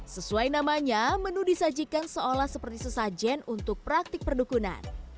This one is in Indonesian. sesuai namanya menu disajikan seolah seperti sesajen untuk praktik perdukunan